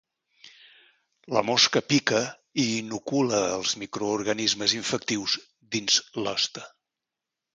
La mosca pica i inocula els microorganismes infectius dins l’hoste.